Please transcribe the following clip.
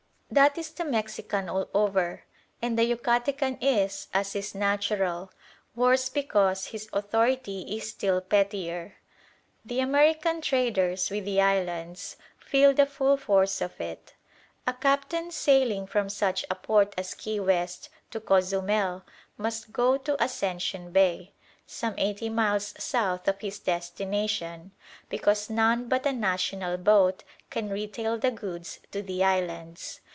That is the Mexican all over; and the Yucatecan is, as is natural, worse because his authority is still pettier. The American traders with the islands feel the full force of it. A captain sailing from such a port as Key West to Cozumel must go to Ascension Bay, some eighty miles south of his destination, because none but a national boat can retail the goods to the islands.